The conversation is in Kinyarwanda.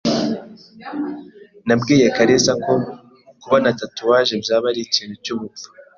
Nabwiye kalisa ko kubona tatouage byaba ari ikintu cyubupfu.